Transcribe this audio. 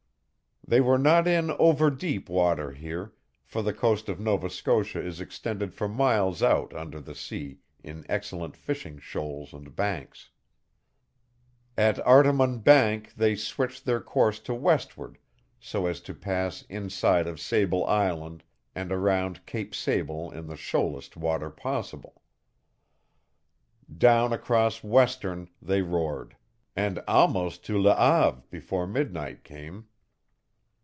They were not in over deep water here, for the coast of Nova Scotia is extended for miles out under the sea in excellent fishing shoals and banks. At Artimon Bank they switched their course to westward so as to pass inside of Sable Island and round Cape Sable in the shoalest water possible. Down across Western they roared, and almost to Le Have before midnight came.